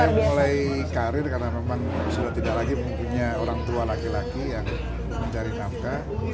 saya mulai karir karena memang sudah tidak lagi mempunyai orang tua laki laki yang mencari nafkah